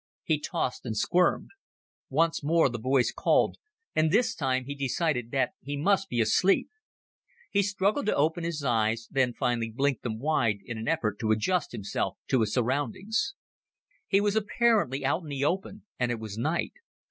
He tossed and squirmed. Once more the voice called, and this time he decided that he must be asleep. He struggled to open his eyes, then finally blinked them wide in an effort to adjust himself to his surroundings. He was apparently out in the open, and it was night.